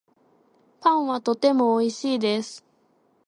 パンはとてもおいしいです